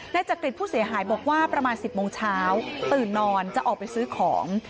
จักริตผู้เสียหายบอกว่าประมาณ๑๐โมงเช้าตื่นนอนจะออกไปซื้อของ